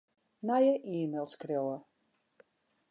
Nije e-mail skriuwe.